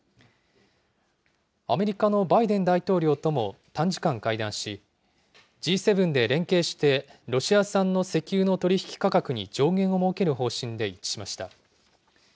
アメリカのバイデン大統領とも短時間会談し、Ｇ７で連携して、ロシア産の石油の取り引き価格に上限を設ける方針で一致しました。